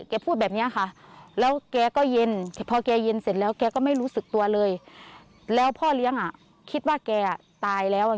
พูดแบบนี้ค่ะแล้วแกก็เย็นพอแกเย็นเสร็จแล้วแกก็ไม่รู้สึกตัวเลยแล้วพ่อเลี้ยงอ่ะคิดว่าแกตายแล้ว